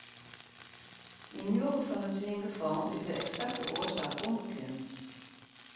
Yn njoggen fan de tsien gefallen is de eksakte oarsaak ûnbekend.